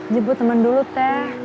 jebuk temen dulu teh